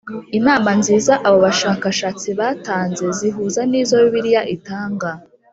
inama nziza abo bashakashatsi batanze zihuza n’izo Bibiliya itanga